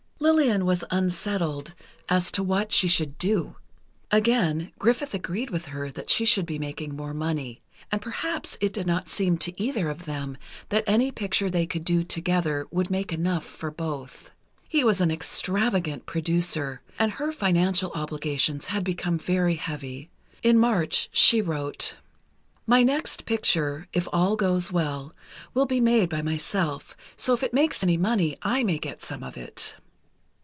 Lillian was unsettled as to what she should do. Again, Griffith agreed with her that she should be making more money, and perhaps it did not seem to either of them that any picture they could do together would make enough for both. He was an extravagant producer, and her financial obligations had become very heavy. In March she wrote: "My next picture, if all goes well, will be made by myself, so if it makes money I may get some of it."